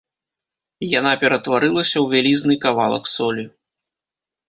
Яна ператварылася ў вялізны кавалак солі.